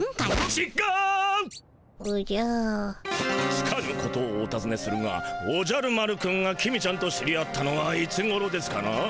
つかぬことをおたずねするがおじゃる丸くんが公ちゃんと知り合ったのはいつごろですかな？